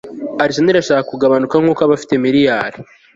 Arsenal irashaka kugabanuka nkuko abafite miliyari